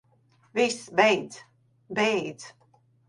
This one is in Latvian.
Viss, beidz. Beidz.